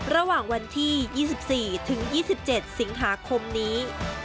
ระหว่างวันที่๒๔ถึง๒๗สิงหาคมนี้